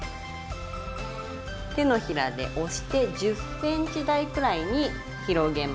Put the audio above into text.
手のひらで押して１０ｃｍ大くらいに広げます。